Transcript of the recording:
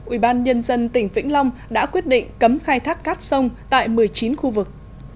ubnd tỉnh vĩnh long đã quyết định cấm khai thác cát sông tại một mươi chín khu vực